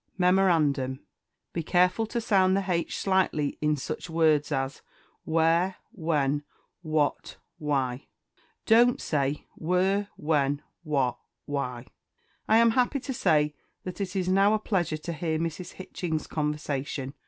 _ Mem. Be careful to sound the H slightly in such words as w_h_ere, w_h_en, w_h_at, w_h_y don't say were, wen, wat, wy. I am happy to say that it is now a pleasure to hear Mrs. Hitching's conversation.